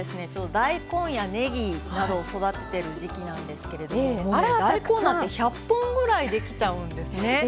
大根やねぎなどを育ててる時期なんですけれど大根なんて１００本ぐらいできちゃうんですね。